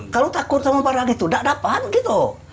kalau takut sama barang itu tidak dapat gitu